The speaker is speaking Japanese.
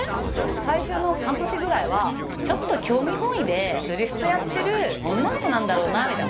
最初の半年ぐらいは「ちょっと興味本位でドリフトやってる女の子なんだろうな」みたいな。